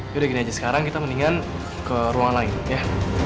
yaudah gini aja sekarang kita mendingan ke ruang lain ya